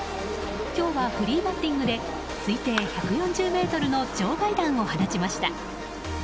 今日はフリーバッティングで推定１４０ｍの場外弾を放ちました。